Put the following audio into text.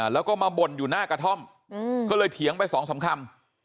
แล้วก็มาบ่นอยู่หน้ากระท่อมก็เลยเถียงไปสองสามคำ